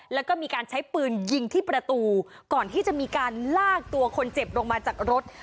แล้วก็มีการใช้ปืนยิงที่ประตูก่อนที่จะมีการลากตัวคนเจ็บลงมาจากรถ